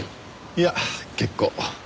いや結構。